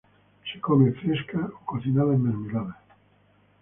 Se le come fresca o cocinada en mermeladas.